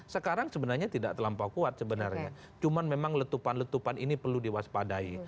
sekarang sebenarnya tidak terlampau kuat sebenarnya cuma memang letupan letupan ini perlu diwaspadai